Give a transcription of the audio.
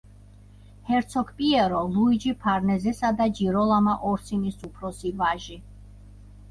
ჰერცოგ პიერო ლუიჯი ფარნეზესა და ჯიროლამა ორსინის უფროსი ვაჟი.